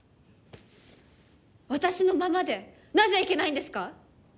私のままでなぜいけないんですか？